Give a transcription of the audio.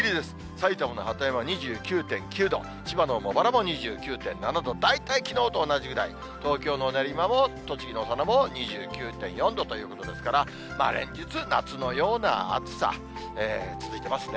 埼玉の鳩山２９．９度、千葉の茂原も２９．７度、大体きのうと同じぐらい、東京の練馬も栃木の佐野も２９．４度ということですから、連日、夏のような暑さ続いてますね。